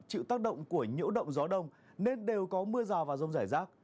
chịu tác động của nhiễu động gió đông nên đều có mưa rào và rông rải rác